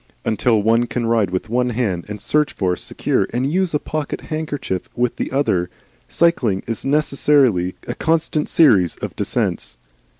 Until one can ride with one hand, and search for, secure, and use a pocket handkerchief with the other, cycling is necessarily a constant series of descents.